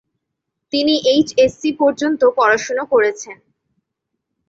তিনি এইচএসসি পর্যন্ত পড়াশোনা করেছেন।